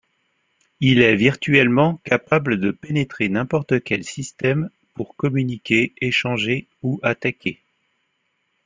Il est virtuellement capable de pénétrer n'importe quel système, pour communiquer, échanger, ou attaquer.